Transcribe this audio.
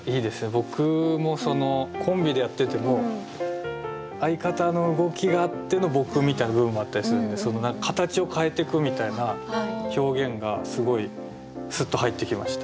僕もコンビでやってても相方の動きがあっての僕みたいな部分もあったりするんでその何か形を変えてくみたいな表現がすごいスッと入ってきました。